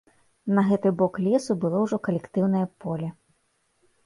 На гэты бок лесу было ўжо калектыўнае поле.